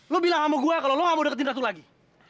lo bilang sama gue kalau lo gak mau deketin ratu lagi